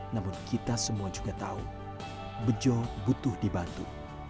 namun kita semua juga tahu bejo butuh dibantu